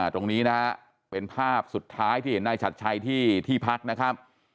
ตรงนี้นะฮะเป็นภาพสุดท้ายที่เห็นนายชัดชัยที่ที่พักนะครับ